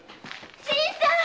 新さん！